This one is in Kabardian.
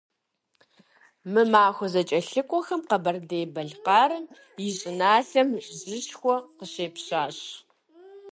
Мы махуэ зэкӀэлъыкӀуэхэм Къэбэрдей-Балъкъэрым и щӀыналъэм жьышхуэ къыщепщащ.